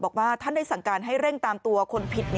บอกว่าท่านได้สั่งการให้เร่งตามตัวคนผิด